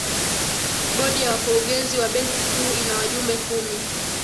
bodi ya wakurugenzi wa benki kuu ina wajumbe kumi